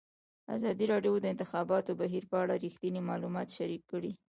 ازادي راډیو د د انتخاباتو بهیر په اړه رښتیني معلومات شریک کړي.